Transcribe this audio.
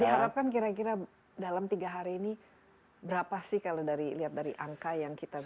diharapkan kira kira dalam tiga hari ini berapa sih kalau lihat dari angka yang kita dapatkan